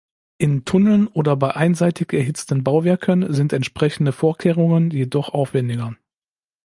In Tunneln oder bei einseitig erhitzten Bauwerken sind entsprechende Vorkehrungen jedoch aufwendiger.